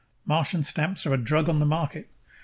Martian stamps are a drug on the market.